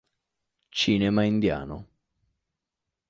Cinema indiano